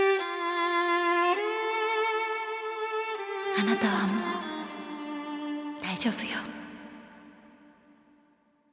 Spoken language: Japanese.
あなたはもう大丈夫よ。